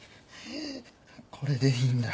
これでいいんだ。